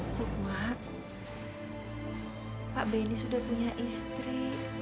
semua pak benny sudah punya istri